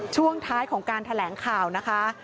ช่วงท้ายของการแถลงข่าวนะคะ